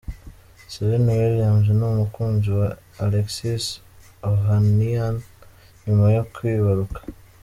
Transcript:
Serena Williams n'umukunzi we Alexis Ohanian nyuma yo kwibaruka.